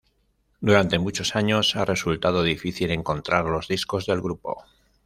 Durante muchos años ha resultado difícil encontrar los discos del grupo.